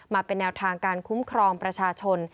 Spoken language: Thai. มาเป็นแนวทางการคุ้มครองประชาชน